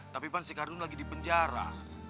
tapi bang si kardun lagi di penjara